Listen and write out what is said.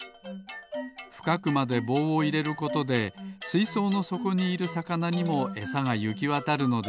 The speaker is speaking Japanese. ふかくまでぼうをいれることですいそうのそこにいるさかなにもエサがゆきわたるのです。